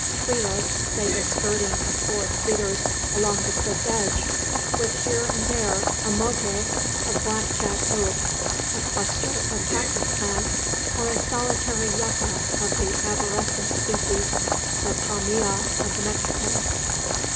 Treeless save a skirting of dwarf cedars along the cliff's edge, with here and there a motte of black jack oaks, a cluster of cactus plants, or a solitary yucca of the arborescent species the palmilla of the Mexicans.